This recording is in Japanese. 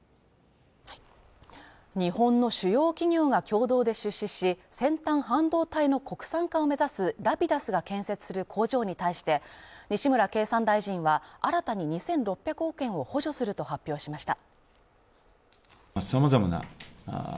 日本の主要企業が共同で出資し、先端半導体の国産化を目指すＲａｐｉｄｕｓが建設する工場に対して西村経産大臣は、新たに２６００億円を補助すると発表しました。